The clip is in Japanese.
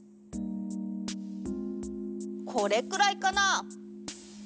これくらいかな？